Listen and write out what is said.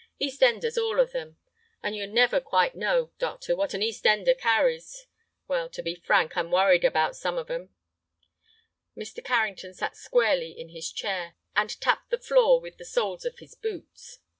East enders, all of them; and you never quite know, doctor, what an East ender carries. Well, to be frank, I'm worried about some of 'em." Mr. Carrington sat squarely in his chair, and tapped the floor with the soles of his boots.